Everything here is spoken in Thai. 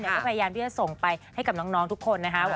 ก็พยายามที่จะส่งไปให้กับน้องทุกคนนะคะ